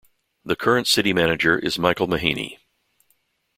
The current City Manager is Michael Mahaney.